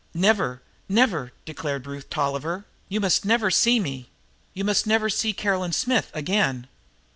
"Never, never!" declared Ruth Tolliver. "You must never see me you must never see Caroline Smith again.